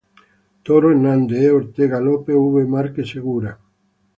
Toro-Hernández, E., Ortega-López, V., Márquez-Segura, E.